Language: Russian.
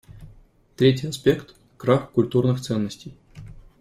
Третий аспект — крах культурных ценностей.